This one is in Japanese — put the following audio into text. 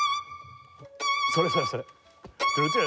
それそれそれ。